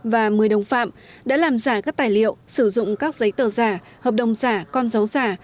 và một mươi đồng phạm đã làm giả các tài liệu sử dụng các giấy tờ giả hợp đồng giả con dấu giả